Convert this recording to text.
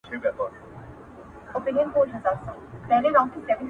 دوې کښتۍ مي وې نجات ته درلېږلي،